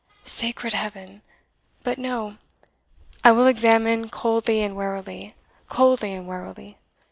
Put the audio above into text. Sacred Heaven! but no I will examine coldly and warily coldly and warily."